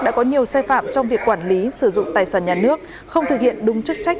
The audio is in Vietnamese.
đã có nhiều sai phạm trong việc quản lý sử dụng tài sản nhà nước không thực hiện đúng chức trách